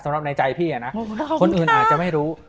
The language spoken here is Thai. ในใจพี่นะคนอื่นอาจจะไม่รู้